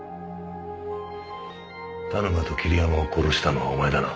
田沼と桐山を殺したのはお前だな？